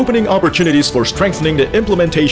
membuka kesempatan untuk memperkuat